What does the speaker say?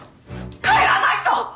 帰らないと！